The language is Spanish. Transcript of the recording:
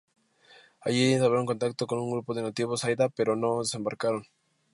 Allí entablaron contacto con un grupo de nativos Haida, pero no desembarcaron.